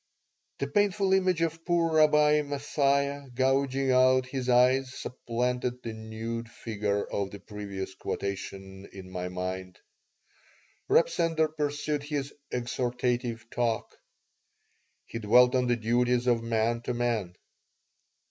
The painful image of poor Rabbi M athia gouging out his eyes supplanted the nude figure of the previous quotation in my mind Reb Sender pursued his "exhortative talk." He dwelt on the duties of man to man.